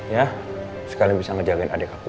ya sekalian bisa ngejalanin adek aku